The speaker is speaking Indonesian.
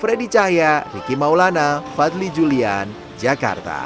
freddy cahya riki maulana fadli julian jakarta